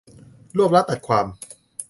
รวบรัดตัดความ